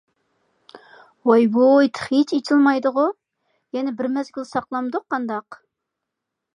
ۋاي-ۋۇي تېخىچە ئېچىلمايدىغۇ؟ يەنە بىر مەزگىل ساقلامدۇق قانداق؟